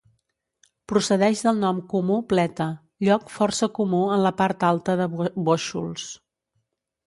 Procedeix del nom comú pleta, lloc força comú en la part alta de Bóixols.